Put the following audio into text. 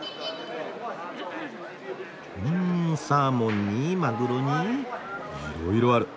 うんサーモンにマグロにいろいろある。